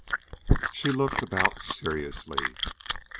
She looked about seriously.